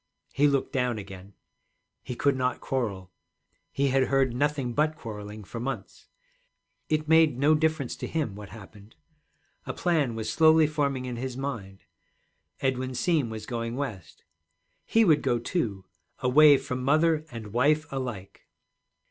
He looked down again; he could not quarrel, he had heard nothing but quarreling for months. It made no difference to him what happened. A plan was slowly forming in his mind. Edwin Seem was going West; he would go too, away from mother and wife alike.